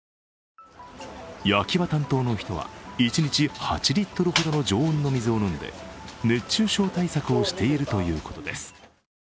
焼き場担当の人は、１日８リットルほどの常温の水を飲んで熱中症対策をしているということです。